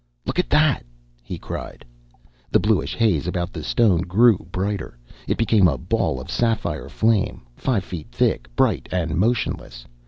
"Look at that!" he cried. The bluish haze about the stone grew brighter; it became a ball of sapphire flame, five feet thick, bright and motionless.